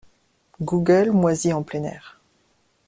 Google moisit en plein air.